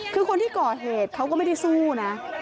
คือคนที่ก่อเหตุเขาก็ไม่ได้สู้นะ